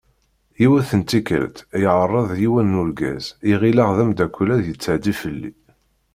Yiwet n tikkelt yeɛreḍ yiwen n urgaz i ɣileɣ d amddakel ad yetɛeddi fell-i.